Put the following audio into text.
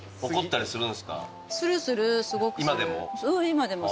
今でも？